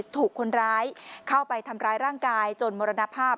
ถูกคนร้ายเข้าไปทำร้ายร่างกายจนมรณภาพ